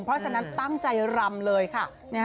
เพราะฉะนั้นตั้งใจรำเลยค่ะ